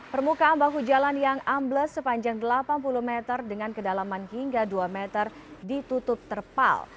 permukaan bahu jalan yang ambles sepanjang delapan puluh meter dengan kedalaman hingga dua meter ditutup terpal